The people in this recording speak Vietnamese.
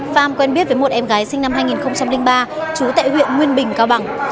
pham quen biết với một em gái sinh năm hai nghìn ba chú tại huyện nguyên bình cao bằng